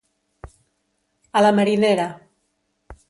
A la marinera.